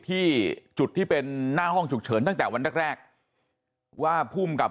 ที่จุดที่เป็นหน้าห้องฉุกเฉินตั้งแต่วันแรกแรกว่าภูมิกับ